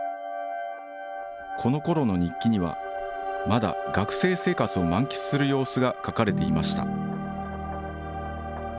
このころの日記には、まだ学生生活を満喫する様子が書かれていました。